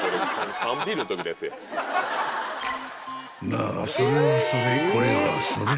［まあそれはそれこれはそれ］